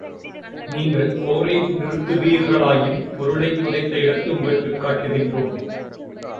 நீங்கள் போரை நிறுத்துவீர்களாயின் பொருளைப் புதைத்த இடத்தை உங்கட்குக் காட்டுகின்றோம்.